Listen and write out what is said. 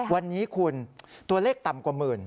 วันนี้คุณตัวเลขต่ำกว่าหมื่น